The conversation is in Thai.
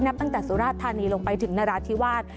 ตั้งแต่สุราชธานีลงไปถึงนราธิวาส